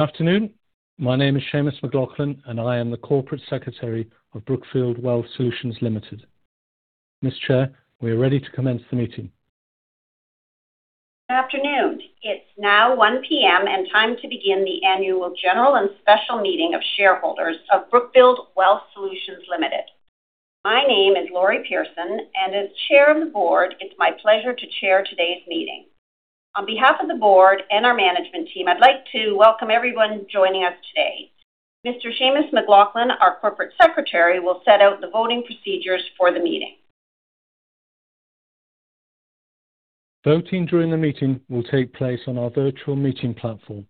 Afternoon. My name is Seamus MacLoughlin, and I am the Corporate Secretary of Brookfield Wealth Solutions Ltd.. Ms. Chair, we are ready to commence the meeting. Good afternoon. It's now 1:00 P.M. time to begin the annual general and special meeting of shareholders of Brookfield Wealth Solutions Ltd.. My name is Lori Pearson, and as Chair of the Board, it's my pleasure to chair today's meeting. On behalf of the Board and our management team, I'd like to welcome everyone joining us today. Mr. Seamus MacLoughlin, our Corporate Secretary, will set out the voting procedures for the meeting. Voting during the meeting will take place on our virtual meeting platform.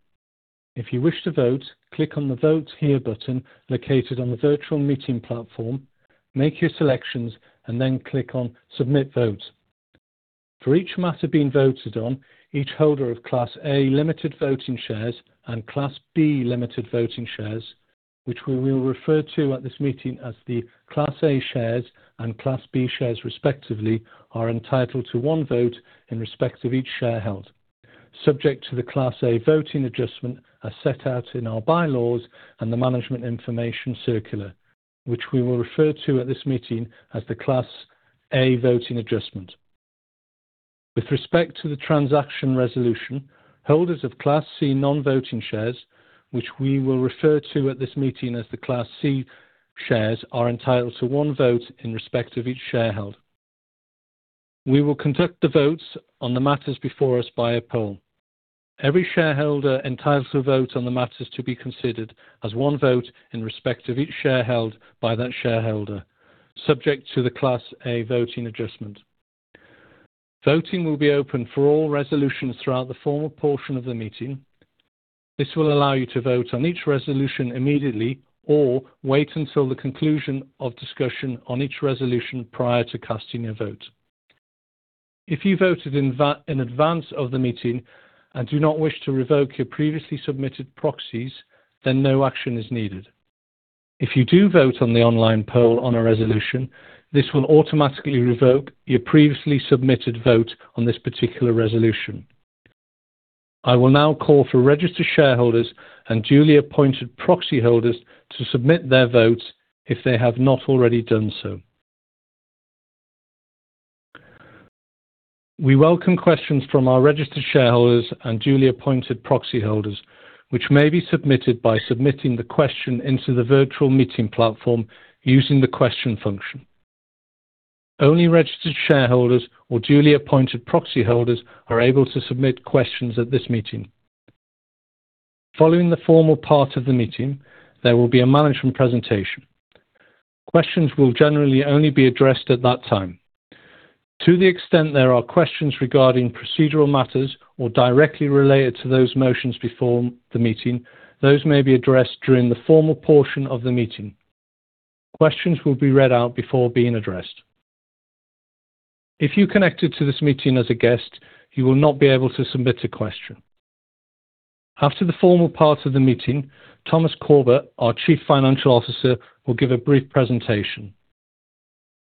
If you wish to vote, click on the Vote Here button located on the virtual meeting platform, make your selections, and then click on Submit Vote. For each matter being voted on, each holder of Class A limited voting shares and Class B limited voting shares, which we will refer to at this meeting as the Class A shares and Class B shares respectively, are entitled to one vote in respect of each share held, subject to the Class A voting adjustment as set out in our bylaws and the management information circular, which we will refer to at this meeting as the Class A voting adjustment. With respect to the transaction resolution, holders of Class C non-voting shares, which we will refer to at this meeting as the Class C shares, are entitled to one vote in respect of each share held. We will conduct the votes on the matters before us by a poll. Every shareholder entitled to a vote on the matters to be considered has one vote in respect of each share held by that shareholder, subject to the Class A voting adjustment. Voting will be open for all resolutions throughout the formal portion of the meeting. This will allow you to vote on each resolution immediately or wait until the conclusion of discussion on each resolution prior to casting your vote. If you voted in advance of the meeting and do not wish to revoke your previously submitted proxies, no action is needed. If you do vote on the online poll on a resolution, this will automatically revoke your previously submitted vote on this particular resolution. I will now call for registered shareholders and duly appointed proxy holders to submit their votes if they have not already done so. We welcome questions from our registered shareholders and duly appointed proxy holders, which may be submitted by submitting the question into the virtual meeting platform using the question function. Only registered shareholders or duly appointed proxy holders are able to submit questions at this meeting. Following the formal part of the meeting, there will be a management presentation. Questions will generally only be addressed at that time. To the extent there are questions regarding procedural matters or directly related to those motions before the meeting, those may be addressed during the formal portion of the meeting. Questions will be read out before being addressed. If you connected to this meeting as a guest, you will not be able to submit a question. After the formal part of the meeting, Thomas Corbett, our Chief Financial Officer, will give a brief presentation.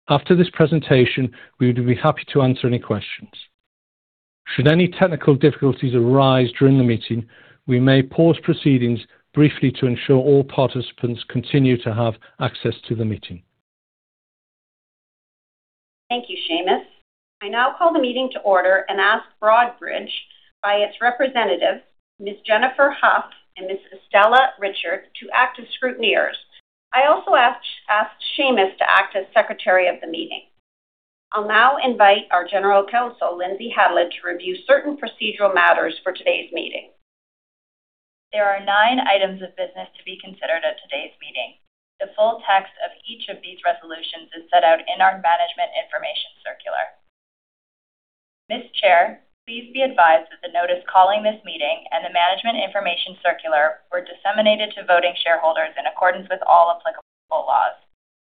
After this presentation, we would be happy to answer any questions. Should any technical difficulties arise during the meeting, we may pause proceedings briefly to ensure all participants continue to have access to the meeting. Thank you, Seamus. I now call the meeting to order and ask Broadridge, by its representatives, Ms. Jennifer Huff and Ms. Estella Richard, to act as scrutineers. I also asked Seamus to act as Secretary of the Meeting. I'll now invite our General Counsel, Lyndsay Hatlelid, to review certain procedural matters for today's meeting. There are nine items of business to be considered at today's meeting. The full text of each of these resolutions is set out in our management information circular. Ms. Chair, please be advised that the notice calling this meeting and the management information circular were disseminated to voting shareholders in accordance with all applicable laws.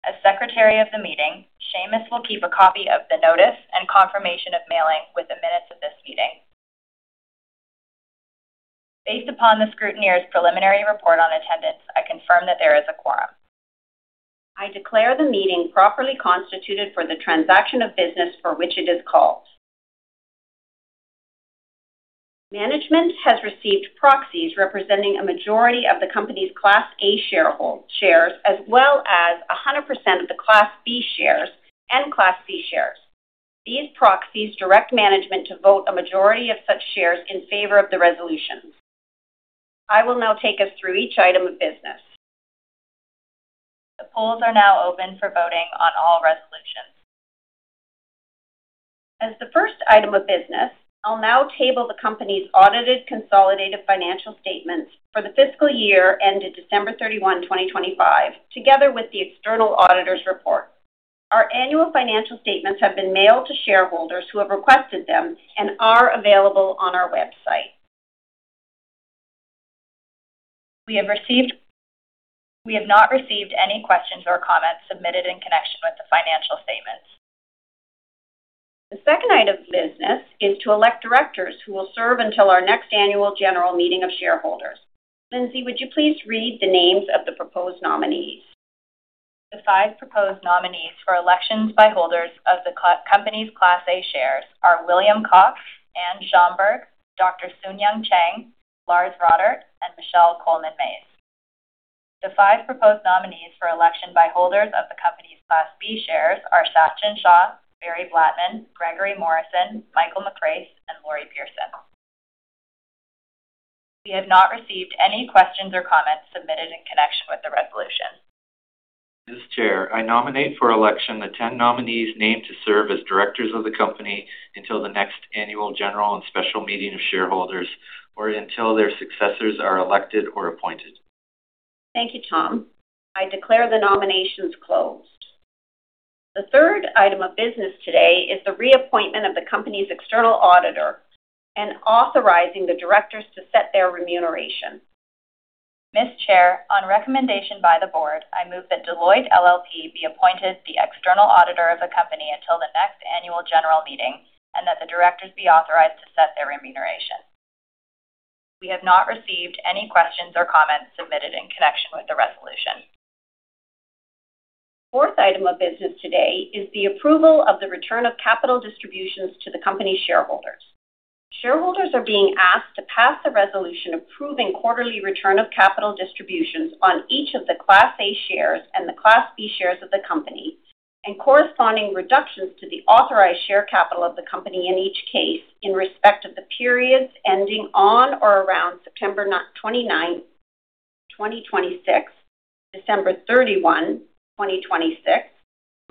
As Secretary of the Meeting, Seamus will keep a copy of the notice and confirmation of mailing with the minutes of this meeting. Based upon the scrutineers' preliminary report on attendance, I confirm that there is a quorum. I declare the meeting properly constituted for the transaction of business for which it is called. Management has received proxies representing a majority of the company's Class A shares, as well as 100% of the Class B shares and Class C shares. These proxies direct management to vote a majority of such shares in favor of the resolutions. I will now take us through each item of business. The polls are now open for voting on all resolutions. As the first item of business, I'll now table the company's audited consolidated financial statements for the fiscal year ended December 31, 2025, together with the external auditor's report. Our annual financial statements have been mailed to shareholders who have requested them and are available on our website. We have not received any questions or comments submitted in connection with the financial statements. The second item of business is to elect directors who will serve until our next annual general meeting of shareholders. Lyndsay, would you please read the names of the proposed nominees? The five proposed nominees for elections by holders of the company's Class A shares are William Cox, Anne Schaumburg, Dr. Soonyoung Chang, Lars Rodert, and Michele Coleman Mayes. The five proposed nominees for election by holders of the company's Class B shares are Sachin Shah, Barry Blattman, Gregory Morrison, Michael McRaith, and Lori Pearson. We have not received any questions or comments submitted in connection with the resolution. Ms. Chair, I nominate for election the 10 nominees named to serve as directors of the company until the next annual general and special meeting of shareholders, or until their successors are elected or appointed. Thank you, Tom. I declare the nominations closed. The third item of business today is the reappointment of the company's external auditor and authorizing the directors to set their remuneration. Ms. Chair, on recommendation by the board, I move that Deloitte LLP be appointed the external auditor of the company until the next annual general meeting, and that the directors be authorized to set their remuneration. We have not received any questions or comments submitted in connection with the resolution. Fourth item of business today is the approval of the return of capital distributions to the company shareholders. Shareholders are being asked to pass the resolution approving quarterly return of capital distributions on each of the Class A shares and the Class B shares of the company, and corresponding reductions to the authorized share capital of the company in each case in respect of the periods ending on or around September 29th, 2026, December 31, 2026,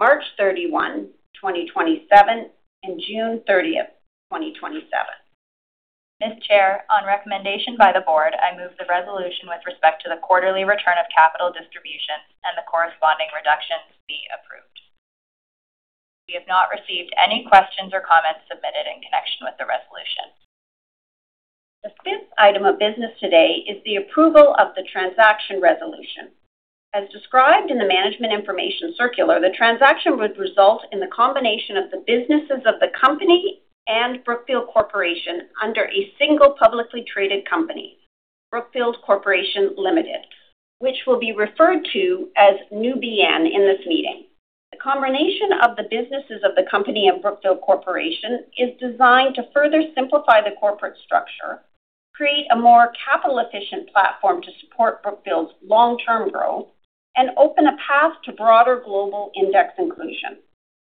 March 31, 2027, and June 30th, 2027. Ms. Chair, on recommendation by the board, I move the resolution with respect to the quarterly return of capital distributions and the corresponding reductions be approved. We have not received any questions or comments submitted in connection with the resolution. The fifth item of business today is the approval of the transaction resolution. As described in the management information circular, the transaction would result in the combination of the businesses of the company and Brookfield Corporation under a single publicly traded company, Brookfield Corporation Limited, which will be referred to as New BN in this meeting. The combination of the businesses of the company and Brookfield Corporation is designed to further simplify the corporate structure, create a more capital-efficient platform to support Brookfield's long-term growth, and open a path to broader global index inclusion.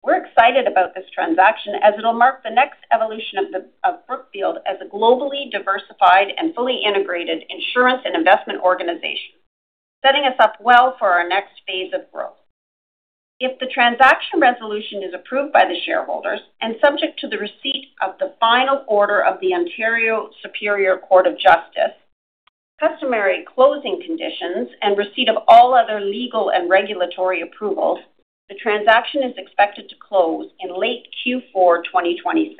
We're excited about this transaction as it'll mark the next evolution of Brookfield as a globally diversified and fully integrated insurance and investment organization, setting us up well for our next phase of growth. If the transaction resolution is approved by the shareholders and subject to the receipt of the final order of the Ontario Superior Court of Justice, customary closing conditions, and receipt of all other legal and regulatory approvals, the transaction is expected to close in late Q4 2026.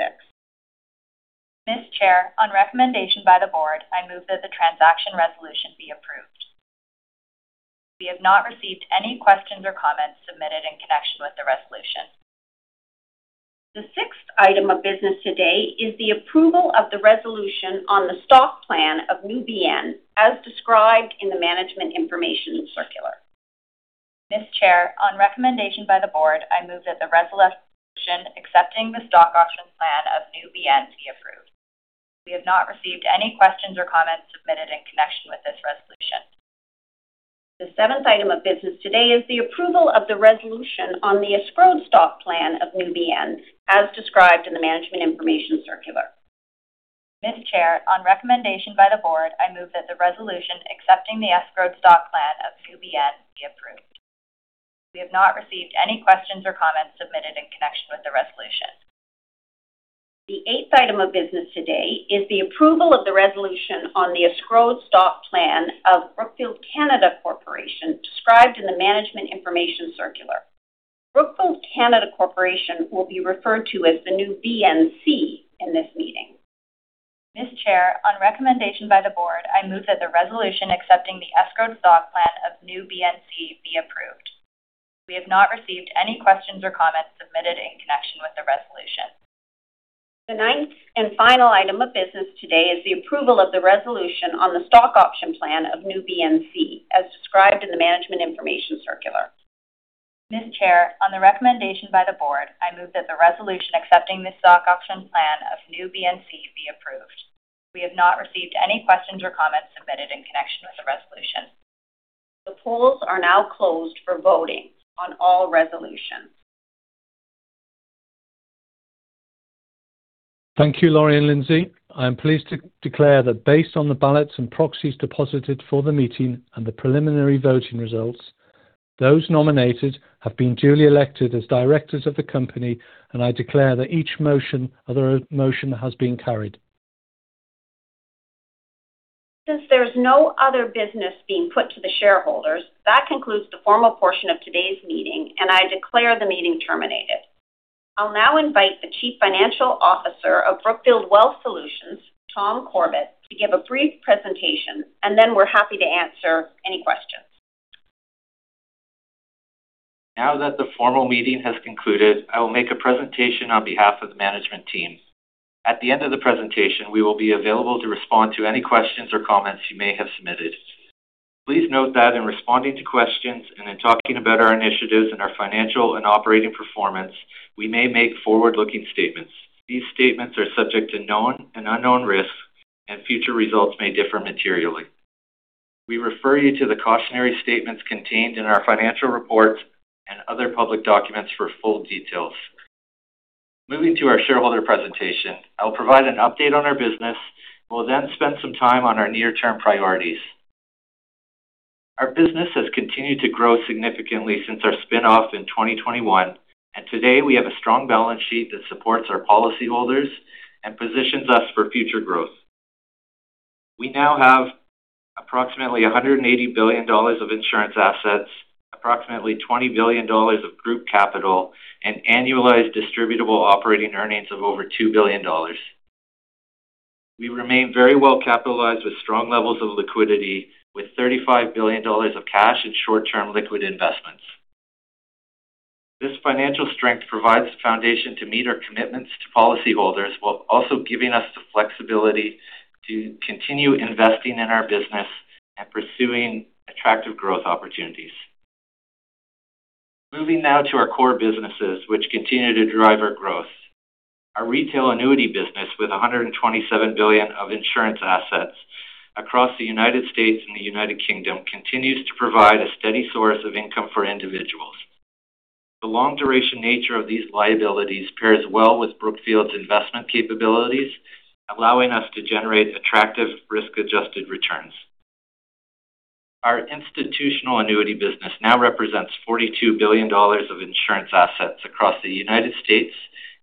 Ms. Chair, on recommendation by the board, I move that the transaction resolution be approved. We have not received any questions or comments submitted in connection with the resolution. The sixth item of business today is the approval of the resolution on the stock plan of New BN, as described in the management information circular. Ms. Chair, on recommendation by the board, I move that the resolution accepting the stock option plan of New BN be approved. We have not received any questions or comments submitted in connection with this resolution. The seventh item of business today is the approval of the resolution on the escrowed stock plan of New BN, as described in the management information circular. Ms. Chair, on recommendation by the board, I move that the resolution accepting the escrowed stock plan of New BN be approved. We have not received any questions or comments submitted in connection with the resolution. The eighth item of business today is the approval of the resolution on the escrowed stock plan of Brookfield Canada Corporation, described in the management information circular. Brookfield Canada Corporation will be referred to as the New BNC in this meeting. Ms. Chair, on recommendation by the board, I move that the resolution accepting the escrowed stock plan of New BNC be approved. We have not received any questions or comments submitted in connection with the resolution. The ninth and final item of business today is the approval of the resolution on the stock option plan of New BNC, as described in the management information circular. Ms. Chair, on the recommendation by the board, I move that the resolution accepting the stock option plan of New BNC be approved. We have not received any questions or comments submitted in connection with the resolution. The polls are now closed for voting on all resolutions. Thank you, Lori and Lyndsay. I am pleased to declare that based on the ballots and proxies deposited for the meeting and the preliminary voting results, those nominated have been duly elected as directors of the company. I declare that each motion, other motion has been carried. Since there's no other business being put to the shareholders, that concludes the formal portion of today's meeting. I declare the meeting terminated. I'll now invite the Chief Financial Officer of Brookfield Wealth Solutions, Tom Corbett, to give a brief presentation, and then we're happy to answer any questions. Now that the formal meeting has concluded, I will make a presentation on behalf of the management team. At the end of the presentation, we will be available to respond to any questions or comments you may have submitted. Please note that in responding to questions and in talking about our initiatives and our financial and operating performance, we may make forward-looking statements. These statements are subject to known and unknown risks, and future results may differ materially. We refer you to the cautionary statements contained in our financial reports and other public documents for full details. Moving to our shareholder presentation, I will provide an update on our business. We'll then spend some time on our near-term priorities. Our business has continued to grow significantly since our spinoff in 2021. Today we have a strong balance sheet that supports our policyholders and positions us for future growth. We now have approximately $180 billion of insurance assets, approximately $20 billion of group capital, and annualized Distributable Operating Earnings of over $2 billion. We remain very well-capitalized with strong levels of liquidity, with $35 billion of cash and short-term liquid investments. This financial strength provides the foundation to meet our commitments to policyholders, while also giving us the flexibility to continue investing in our business and pursuing attractive growth opportunities. Moving now to our core businesses, which continue to drive our growth. Our retail annuity business, with $127 billion of insurance assets across the United States and the United Kingdom, continues to provide a steady source of income for individuals. The long-duration nature of these liabilities pairs well with Brookfield's investment capabilities, allowing us to generate attractive risk-adjusted returns. Our institutional annuity business now represents $42 billion of insurance assets across the United States.,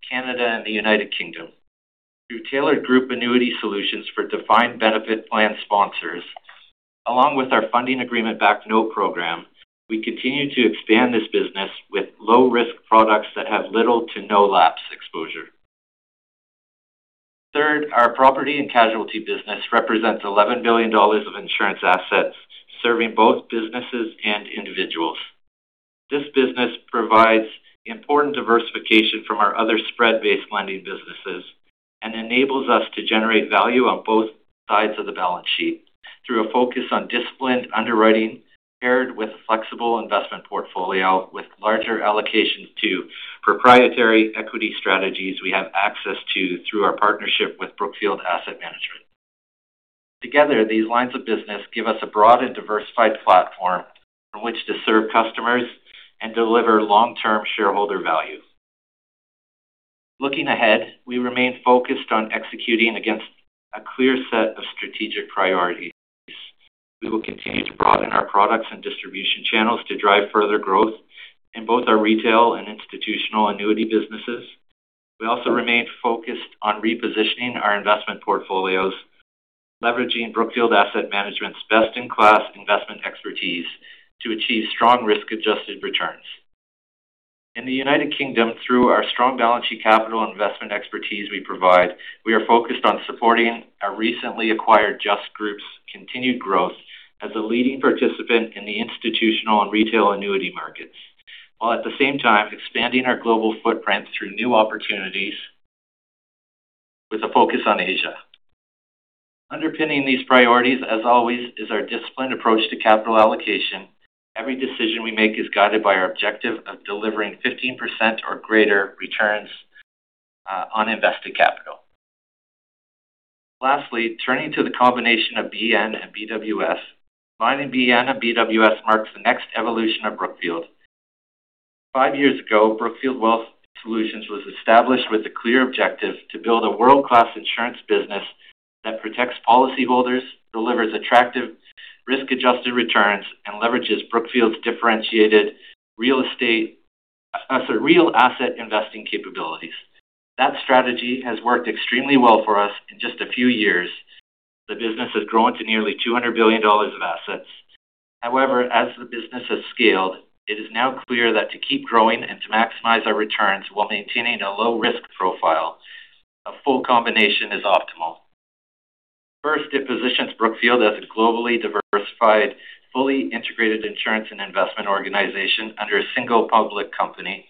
Canada, and the United Kingdom. Through tailored group annuity solutions for defined benefit plan sponsors, along with our funding agreement-backed note program, we continue to expand this business with low-risk products that have little to no lapse exposure. Third, our property and casualty business represents $11 billion of insurance assets, serving both businesses and individuals. This business provides important diversification from our other spread-based lending businesses and enables us to generate value on both sides of the balance sheet through a focus on disciplined underwriting, paired with a flexible investment portfolio with larger allocations to proprietary equity strategies we have access to through our partnership with Brookfield Asset Management. Together, these lines of business give us a broad and diversified platform from which to serve customers and deliver long-term shareholder value. Looking ahead, we remain focused on executing against a clear set of strategic priorities. We will continue to broaden our products and distribution channels to drive further growth in both our retail and institutional annuity businesses. We also remain focused on repositioning our investment portfolios, leveraging Brookfield Asset Management's best-in-class investment expertise to achieve strong risk-adjusted returns. In the United Kingdom, through our strong balance sheet capital investment expertise we provide, we are focused on supporting our recently acquired Just Group's continued growth as a leading participant in the institutional and retail annuity markets, while at the same time expanding our global footprint through new opportunities, with a focus on Asia. Underpinning these priorities, as always, is our disciplined approach to capital allocation. Every decision we make is guided by our objective of delivering 15% or greater returns on invested capital. Lastly, turning to the combination of BN and BWS. Combining BN and BWS marks the next evolution of Brookfield. Five years ago, Brookfield Wealth Solutions was established with a clear objective to build a world-class insurance business that protects policyholders, delivers attractive risk-adjusted returns, and leverages Brookfield's differentiated real asset investing capabilities. That strategy has worked extremely well for us. In just a few years, the business has grown to nearly $200 billion of assets. However, as the business has scaled, it is now clear that to keep growing and to maximize our returns while maintaining a low risk profile, a full combination is optimal. First, it positions Brookfield as a globally diversified, fully integrated insurance and investment organization under a single public company.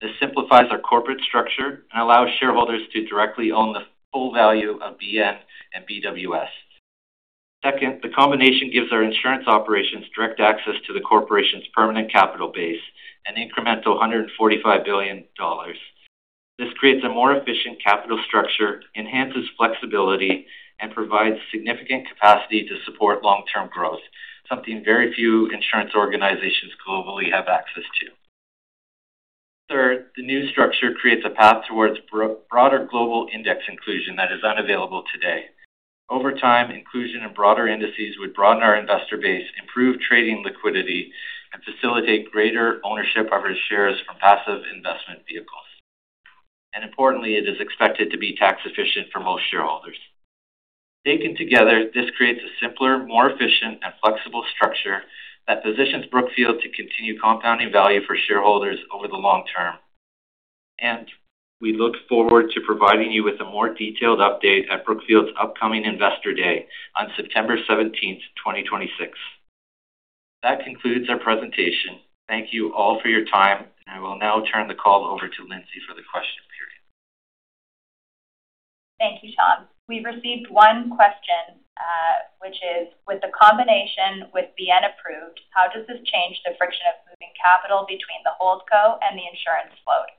This simplifies our corporate structure and allows shareholders to directly own the full value of BN and BWS. Second, the combination gives our insurance operations direct access to the Corporation's permanent capital base, an incremental $145 billion. This creates a more efficient capital structure, enhances flexibility, and provides significant capacity to support long-term growth, something very few insurance organizations globally have access to. Third, the new structure creates a path towards broader global index inclusion that is unavailable today. Over time, inclusion in broader indices would broaden our investor base, improve trading liquidity, and facilitate greater ownership of our shares from passive investment vehicles. Importantly, it is expected to be tax efficient for most shareholders. Taken together, this creates a simpler, more efficient, and flexible structure that positions Brookfield to continue compounding value for shareholders over the long term. We look forward to providing you with a more detailed update at Brookfield's upcoming Investor Day on September 17th, 2026. That concludes our presentation. Thank you all for your time, and I will now turn the call over to Lyndsay for the question period. Thank you, Tom. We received one question, which is, with the combination with BN approved, how does this change the friction of moving capital between the holdco and the insurance float?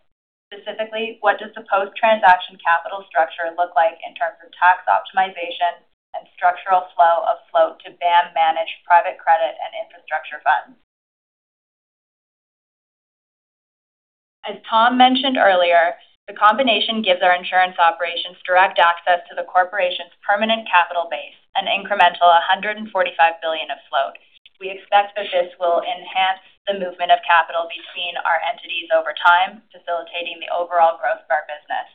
Specifically, what does the post-transaction capital structure look like in terms of tax optimization and structural flow of float to BAM managed private credit and infrastructure funds? As Tom mentioned earlier, the combination gives our insurance operations direct access to the corporation's permanent capital base, an incremental $145 billion of float. We expect that this will enhance the movement of capital between our entities over time, facilitating the overall growth of our business.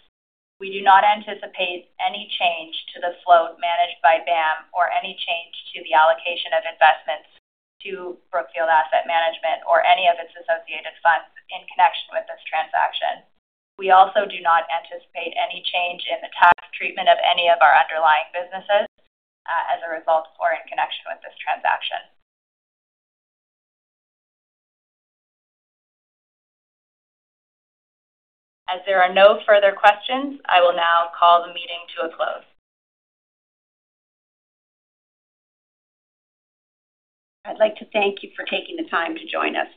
We do not anticipate any change to the float managed by BAM or any change to the allocation of investments to Brookfield Asset Management or any of its associated funds in connection with this transaction. We also do not anticipate any change in the tax treatment of any of our underlying businesses as a result or in connection with this transaction. There are no further questions, I will now call the meeting to a close. I'd like to thank you for taking the time to join us